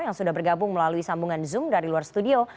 yang sudah bergabung melalui sambungan zoom dari luar studio